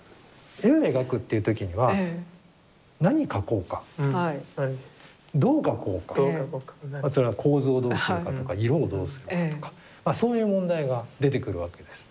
絵を描くっていう時には何描こうかどう描こうか構図をどうするとか色をどうするかとかそういう問題が出てくるわけです。